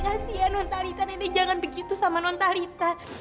kasian nontalita nenek jangan begitu sama nontalita